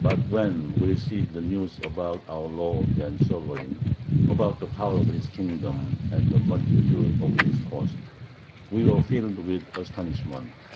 But when we received the news about our lord and sovereign, about the power of his kingdom and the multitude of his hosts, we were filled with astonishment.